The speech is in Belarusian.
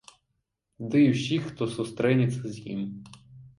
Дый усіх, хто сустрэнецца з ім.